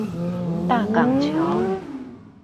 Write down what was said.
大港橋